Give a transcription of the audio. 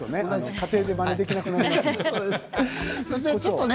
家庭で、まねできなくなりますからね。